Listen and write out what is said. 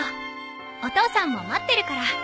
お父さんも待ってるから。